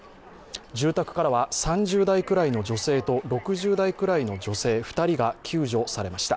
住宅からは３０代くらいの女性と６０代くらいの女性２人が救助されました。